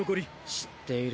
知っている。